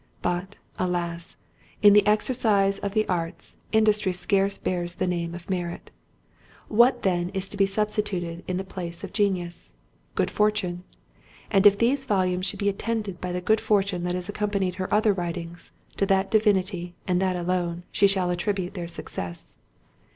But, alas! in the exercise of the arts, industry scarce bears the name of merit. What then is to be substituted in the place of genius? GOOD FORTUNE. And if these volumes should be attended by the good fortune that has accompanied her other writings, to that divinity, and that alone, she shall attribute their success.